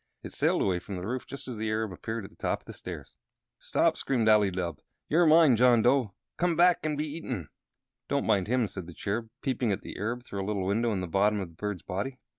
It sailed away from the roof just as the Arab appeared at the top of the stairs. "Stop!" screamed Ali Dubh. "You're mine, John Dough. Come back and be eaten." "Don't mind him," said the Cherub, peeping at the Arab through a little window in the bottom of the bird's body.